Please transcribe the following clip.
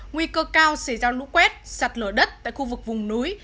nguy cơ cao xảy ra lũ quét sạt lở đất tại khu vực vùng núi